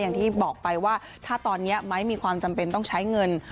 อย่างที่บอกไปว่าถ้าตอนนี้ไม้มีความจำเป็นต้องใช้เงิน